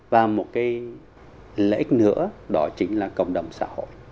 và một cái lợi ích nữa đó chính là cộng đồng xã hội